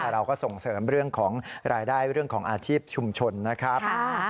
เราก็ส่งเสริมรายได้พอเริ่มรอยอาชีพชุมชนนะครับ